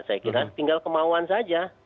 saya kira tinggal kemauan saja